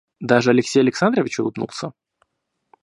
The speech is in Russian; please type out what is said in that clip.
Даже Алексей Александрович улыбнулся.